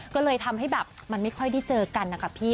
ก็เลยทำให้แบบมันไม่ค่อยได้เจอกันนะคะพี่